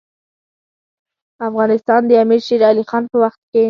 افغانستان د امیر شیرعلي خان په وخت کې.